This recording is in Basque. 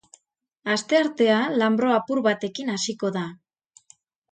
Asteartea lanbro apur batekin hasiko da.